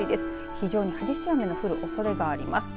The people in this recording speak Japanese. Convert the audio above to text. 非常に激しい雨の降るおそれがあります。